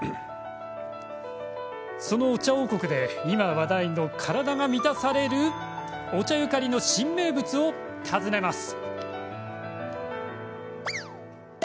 そのお茶王国で今話題の体が満たされるお茶ゆかりの新名物を訪ねます。